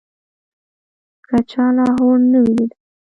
که چا لاهور نه وي لیدلی.